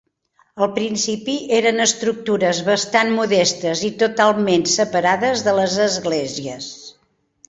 Al principi eren estructures bastant modestes i totalment separades de les esglésies.